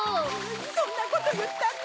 そんなこといったって！